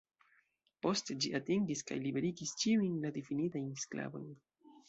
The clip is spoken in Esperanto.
Poste ĝi atingis kaj liberigis ĉiujn la difinitajn sklavojn.